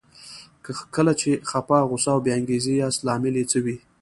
کله چې خپه، غوسه او بې انګېزې ياست لامل يې څه وي؟